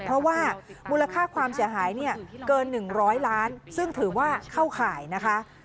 เพราะว่ามูลค่าความเสียหายเนี่ยเกิน๑๐๐ล้านซึ่งถือว่าเข้าข่ายนะคะ